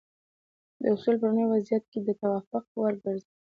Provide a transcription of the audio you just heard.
دا اصول په لومړني وضعیت کې د توافق وړ ګرځي.